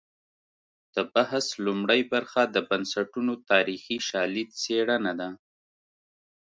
د بحث لومړۍ برخه د بنسټونو تاریخي شالید سپړنه ده.